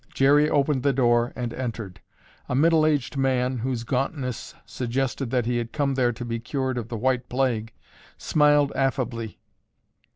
Jerry opened the door and entered. A middle aged man, whose gauntness suggested that he had come there to be cured of the "white plague," smiled affably.